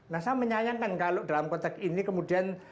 nah saya menyayangkan kalau dalam konteks ini kemudian